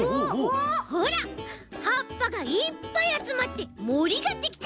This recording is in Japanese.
ほらはっぱがいっぱいあつまってもりができた！